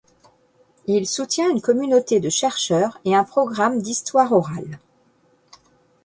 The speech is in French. Il soutient une communauté de chercheurs et un programme d'histoire orale.